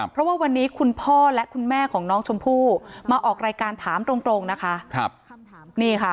เพราะว่าวันนี้คุณพ่อและคุณแม่ของน้องชมพู่มาออกรายการถามตรงนะคะ